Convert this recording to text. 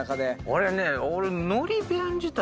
俺ね。